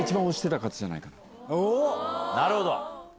なるほど。